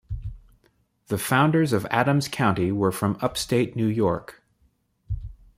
The founders of Adams County were from upstate New York.